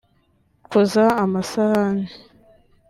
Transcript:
koza amasahani